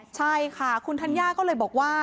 ใช่ค่ะคุณธัญญาก็เลยบอกว่า